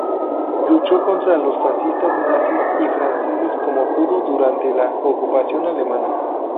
Luchó contra los fascistas nazis y franceses como pudo durante la ocupación alemana.